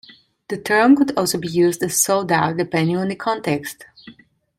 The term could also be used as 'sold out' depending on the context.